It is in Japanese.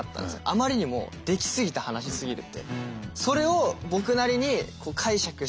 あまりにもできすぎた話すぎてて。